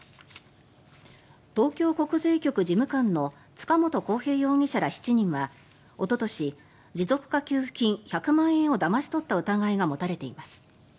東京国税局事務官の塚本晃平容疑者ら７人はおととし持続化給付金１００万円をだまし取った疑いが持たれています。